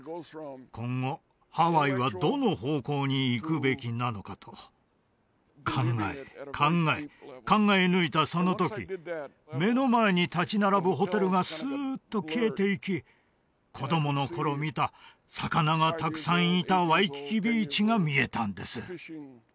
今後ハワイはどの方向に行くべきなのかと考え考え考え抜いたその時目の前に立ち並ぶホテルがスーッと消えていき子供の頃見た魚がたくさんいたワイキキビーチが見えたんです